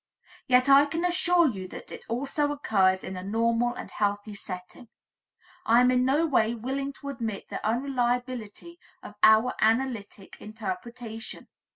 Yet I can assure you that it also occurs in a normal and healthy setting. I am in no way willing to admit the unreliability of our analytic interpretation.